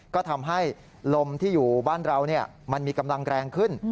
ก็ทำให้ลมที่อยู่บ้านเรามันมีกำลังแรงขึ้น